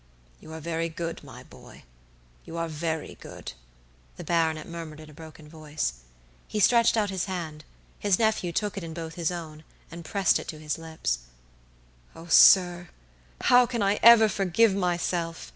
"You are very good, my boy, you are very good," the baronet murmured in a broken voice. He stretched out his hand. His nephew took it in both his own, and pressed it to his lips. "Oh, sir! how can I ever forgive myself?"